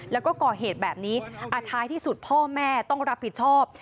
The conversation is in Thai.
แล้วก็ก่อเหตุแบบนี้ท้ายที่สุดพ่อแม่ต้องรับผิดชอบ